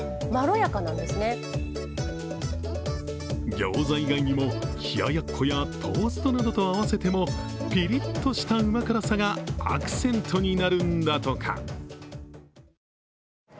餃子以外にも冷ややっこやトーストなどと合わせてもピリッとしたうま辛さがアクセントになるんだとか。